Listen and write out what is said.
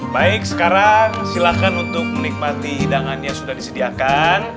baik sekarang silahkan untuk menikmati hidangannya sudah disediakan